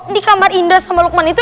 di kamar indah sama lukman itu